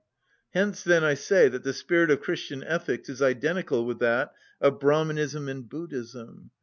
Hence, then, I say that the spirit of Christian ethics is identical with that of Brahmanism and Buddhism.